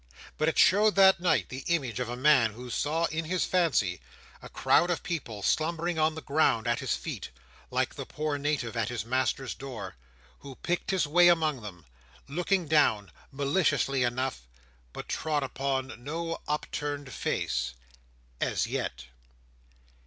But it showed, that night, the image of a man, who saw, in his fancy, a crowd of people slumbering on the ground at his feet, like the poor Native at his master's door: who picked his way among them: looking down, maliciously enough: but trod upon no upturned face—as yet.